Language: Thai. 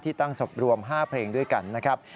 ตั้งศพรวม๕เพลงด้วยกันนะครับ